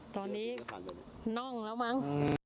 ตอนนี้น่องแล้วมั้ง